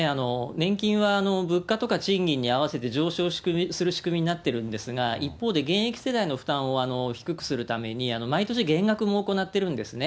年金は物価とか賃金に合わせて上昇する仕組みになってるんですが、一方で現役世代の負担を低くするために、毎年、減額も行ってるんですね。